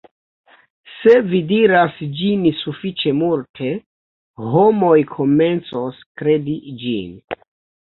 se vi diras ĝin sufiĉe multe, homoj komencos kredi ĝin